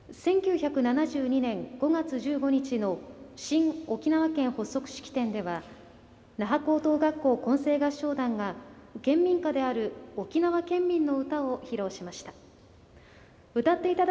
１９７２年５月１５日の新沖縄県発足式典では那覇高等学校混声合唱団が県民歌である「沖縄県民の歌」を披露しました。